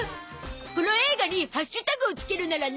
この映画にハッシュタグを付けるなら何？